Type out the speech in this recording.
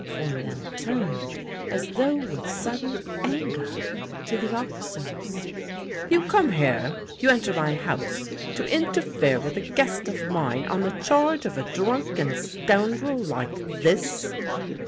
" Fournel turned as though with sudden anger to the officers. " You come here — you enter my house to interfere with a guest of mine on the charge of a drunken scoundrel like this!